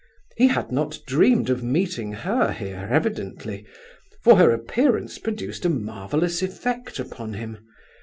He had not dreamed of meeting her here, evidently, for her appearance produced a marvellous effect upon him.